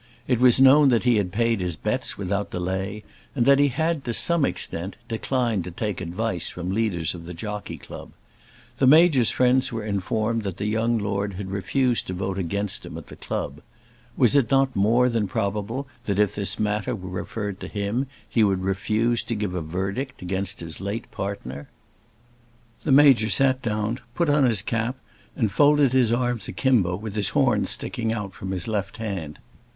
It was known that he had paid his bets without delay, and that he had, to some extent, declined to take advice from the leaders of the Jockey Club. The Major's friends were informed that the young lord had refused to vote against him at the club. Was it not more than probable that if this matter were referred to him he would refuse to give a verdict against his late partner? The Major sat down, put on his cap, and folded his arms akimbo, with his horn sticking out from his left hand.